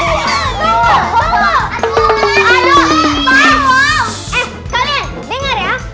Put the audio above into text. eh kalian dengar ya